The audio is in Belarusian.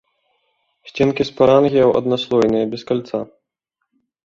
Сценкі спарангіяў аднаслойныя, без кальца.